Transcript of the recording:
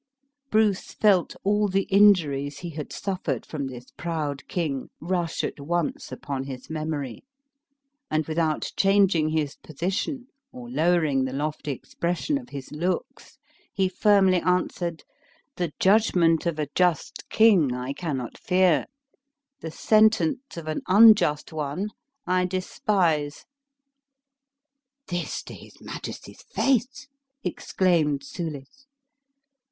Bruce felt all the injuries he had suffered from this proud king rush at once upon his memory; and, without changing his position or lowering the lofty expression of his looks, he firmly answered: "The judgment of a just king I cannot fear; the sentence of an unjust one I despise." "This to his majesty's face!" exclaimed Soulis.